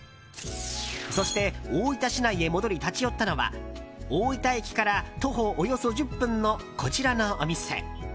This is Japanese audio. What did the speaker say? そして、大分市内へ戻り立ち寄ったのは大分駅から徒歩およそ１０分のこちらのお店。